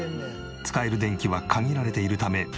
使える電気は限られているため。